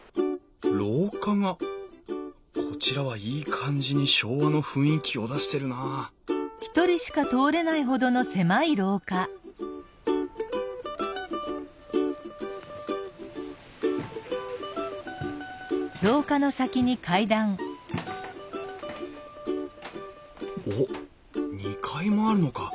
廊下がこちらはいい感じに昭和の雰囲気を出してるなおっ２階もあるのか。